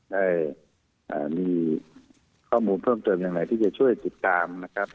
ได้มีข้อมูลเพิ่มเติมอย่างไรที่จะช่วยติดตามนะครับ